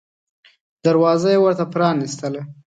دروازه یې ورته پرانیستله.